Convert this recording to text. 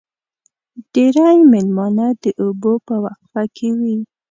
ډېری مېلمانه د اوبو په وقفه کې وي.